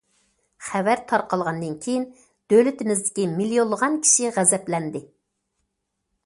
خەۋەر تارقالغاندىن كېيىن، دۆلىتىمىزدىكى مىليونلىغان كىشى غەزەپلەندى!